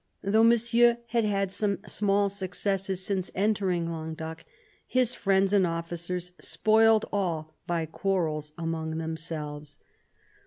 Though Monsieur had had some small successes since entering Languedoc, his friends and officers spoiled all by quarrels among themselves.